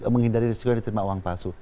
menghindari risiko yang diterima uang palsu